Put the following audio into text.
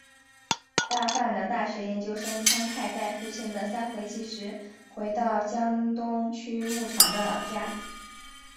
大阪的大学研究生苍太在父亲的三回忌时回到江东区木场的老家。